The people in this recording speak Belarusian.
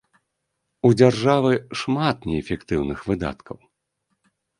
У дзяржавы шмат неэфектыўных выдаткаў.